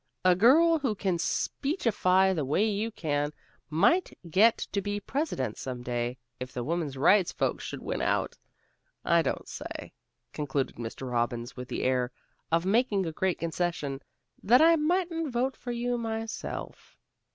"A girl who can speechify the way you can, might get to be president some day, if the women's rights folks should win out. I don't say," concluded Mr. Robbins, with the air of making a great concession, "that I mightn't vote for you myself."